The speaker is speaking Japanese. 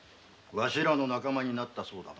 わしらの仲間になったそうだな。